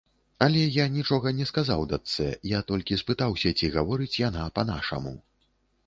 Але я нічога не сказаў дачцэ, я толькі спытаўся, ці гаворыць яна па-нашаму.